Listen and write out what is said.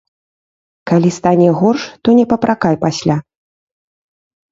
Калі стане горш, то не папракай пасля.